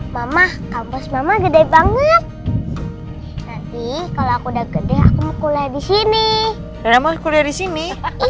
mama kampus mama gede banget nanti kalau aku udah gede aku mau kuliah disini